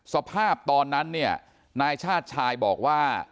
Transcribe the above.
สภาพตอนนั้นเนี่ยนายชาติชายบอกว่า